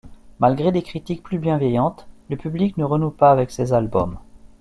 Malgré des critiques plus bienveillantes, le public ne renoue pas avec ses albums.